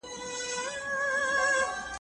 نه داسې نه ده، چې زموږ به نه یادیږي وطن